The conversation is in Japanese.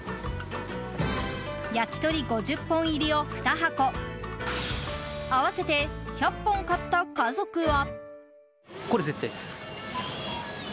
焼き鳥５０本入りを２箱合わせて１００本買った家族は。